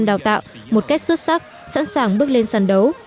trong trung tâm đào tạo một kết xuất sắc sẵn sàng bước lên sàn đấu